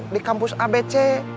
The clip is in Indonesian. di kampus abc